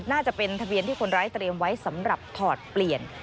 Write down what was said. น่าจะเป็นทะเบียนที่คนร้ายเตรียมไว้สำหรับถอดเปลี่ยน